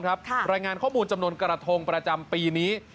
รายงานข้อมูลจำนวนกระทงประจำปีนี้